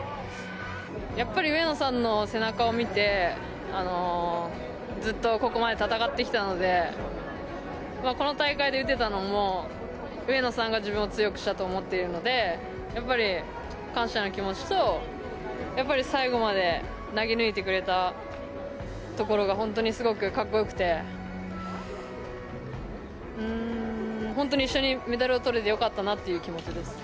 やっぱり上野さんの背中を見て、ずっとここまで戦ってきたので、この大会で打てたのも、上野さんが自分を強くしたと思っているので、やっぱり感謝の気持ちと、やっぱり最後まで投げ抜いてくれたところが本当にすごくかっこよくて、本当に一緒にメダルをとれてよかったなという気持ちです。